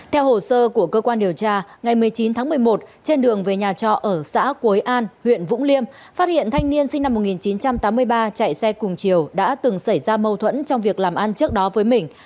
theo hồ sơ của cơ quan điều tra ngày một mươi chín tháng một mươi một trên đường về nhà trọ ở xã quế an huyện vũng liêm phát hiện thanh niên sinh năm một nghìn chín trăm tám mươi ba chạy xe cùng chiều đã từng xảy ra mâu thuẫn trong việc làm ăn trước đó với mình